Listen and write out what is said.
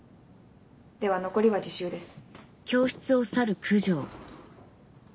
では残りは自習です。